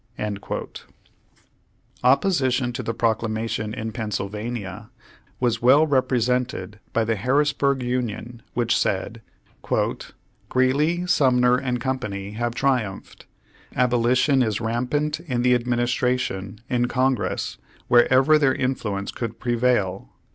Page One Huudred one Opposition to the Proclamation in Pennsylvania was well represented by the Harrisburg Union, which said : "Greeley, Sumner & Co. have triumphed. Abolition is rampant in the Administration, in Congress, wherever their influence could prevail.